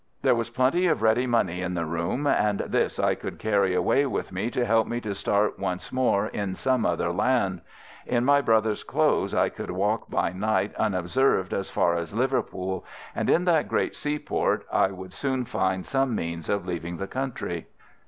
There was plenty of ready money in the room, and this I could carry away with me to help me to start once more in some other land. In my brother's clothes I could walk by night unobserved as far as Liverpool, and in that great seaport I would soon find some means of leaving the country.